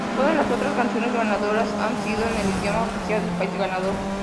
Todas las otras canciones ganadoras han sido en el idioma oficial del país ganador.